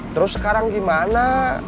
terus sekarang gimana